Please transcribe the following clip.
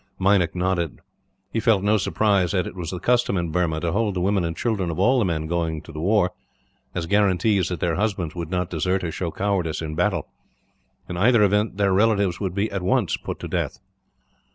Meinik nodded. He felt no surprise, as it was the custom in Burma to hold the women and children of all the men going to the war, as guarantees that their husbands would not desert or show cowardice in battle. In either event their relatives would be, at once, put to death.